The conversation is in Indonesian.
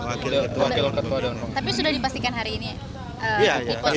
tapi sudah dipastikan hari ini